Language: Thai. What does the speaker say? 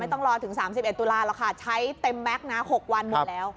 ต้องรอถึง๓๑ตุลาหรอกค่ะใช้เต็มแม็กซ์นะ๖วันหมดแล้ว